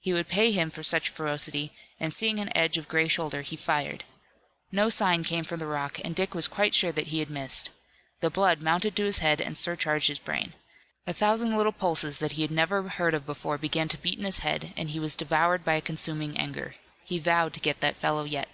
He would pay him for such ferocity, and seeing an edge of gray shoulder, he fired. No sign came from the rock, and Dick was quite sure that he had missed. The blood mounted to his head and surcharged his brain. A thousand little pulses that he had never heard of before began to beat in his head, and he was devoured by a consuming anger. He vowed to get that fellow yet.